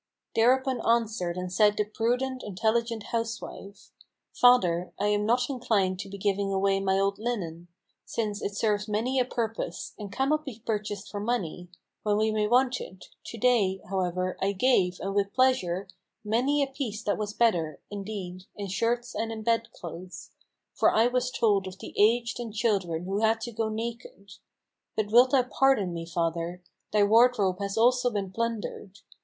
Thereupon answered and said the prudent, intelligent housewife: "Father, I am not inclined to be giving away my old linen: Since it serves many a purpose; and cannot be purchased for money, When we may want it. To day, however, I gave, and with pleasure, Many a piece that was better, indeed, in shirts and in bed clothes; For I was told of the aged and children who had to go naked. But wilt thou pardon me, father? thy wardrobe has also been plundered.